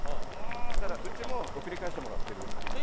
だからうちも送り返してもらってるっていう。